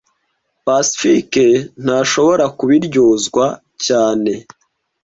Pacifique ntashobora kubiryozwa cyane